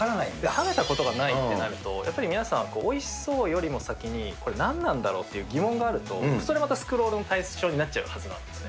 食べたことがないってなると、やっぱり皆さん、おいしそうよりも先に、これ何なんだろうっていう疑問があると、それまたスクロールの対象になっちゃうはずなんですね。